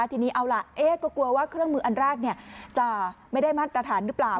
ทีนี้เอาล่ะก็กลัวว่าเครื่องมืออันแรกจะไม่ได้มาตรฐานหรือเปล่า